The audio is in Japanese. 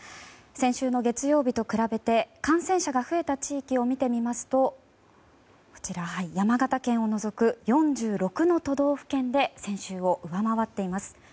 先週の月曜日と比べて感染者が増えた地域を見てみますと山形県を除く４６の都道府県で先週を上回っています。